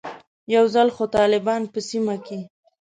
یو ځل خو طالبان په سیمه کې.